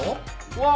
うわ。